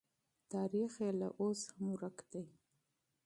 تاریخ یې لا اوس هم ورک دی.